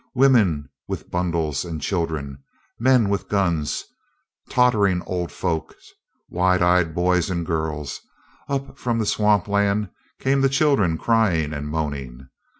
Women with bundles and children, men with guns, tottering old folks, wide eyed boys and girls. Up from the swamp land came the children crying and moaning.